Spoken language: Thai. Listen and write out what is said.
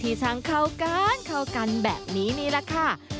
ที่สังเขาการเขากันแบบนี้ล่ะค่ะ